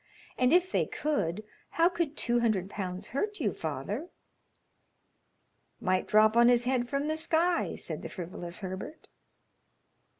And if they could, how could two hundred pounds hurt you, father?" "Might drop on his head from the sky," said the frivolous Herbert.